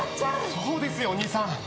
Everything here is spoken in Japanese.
そうですよ兄さん。